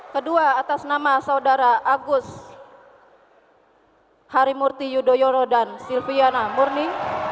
kedua atas nama saudara agus harimurti yudhoyono dan silviana murni